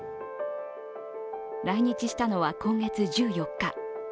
来日したのは今月１４日。